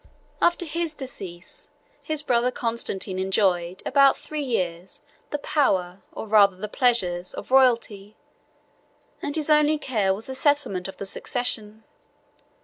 After his decease, his brother Constantine enjoyed, about three years, the power, or rather the pleasures, of royalty; and his only care was the settlement of the succession.